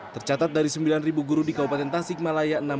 tercatat dari sembilan guru di kabupaten tasik malaya